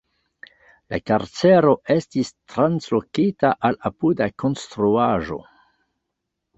La karcero estis translokita al apuda konstruaĵo.